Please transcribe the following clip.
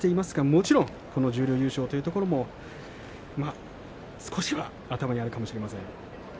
もちろん十両優勝というところも少しは頭にあるかもしれません。